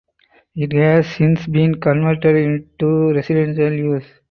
It has since been converted to residential use.